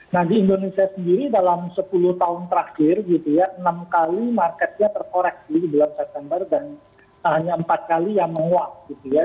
nah di indonesia sendiri dalam sepuluh tahun terakhir gitu ya enam kali marketnya terkoreksi bulan september dan hanya empat kali yang menguap gitu ya